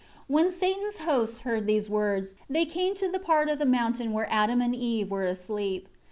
4 When Satan's hosts heard these words, they came to the part of the mountain where Adam and Eve were asleep.